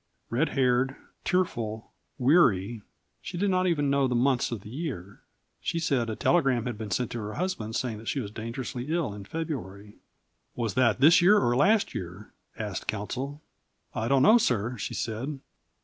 Red haired, tearful, weary, she did not even know the months of the year. She said a telegram had been sent to her husband saying she was dangerously ill in February. "Was that this year or last year?" asked counsel. "I don't know, sir," she said.